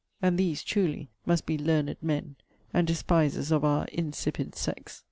And these, truly, must be learned men, and despisers of our insipid sex!